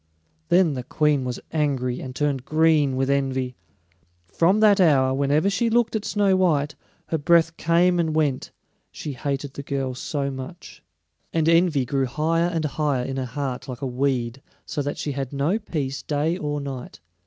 Then the Queen was angry, and turned green with envy. From that hour, whenever she looked at Snow white, her breath came and went, she hated the girl so much. And envy grew higher and higher in her heart like a weed, so that she had no peace day or night.